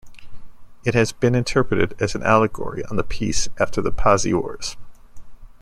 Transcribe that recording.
It has been interpreted as an allegory on the peace after the Pazzi wars.